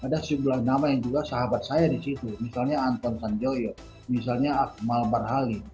ada sebuah nama yang juga sahabat saya disitu misalnya anton sanjoyo misalnya akmal barhali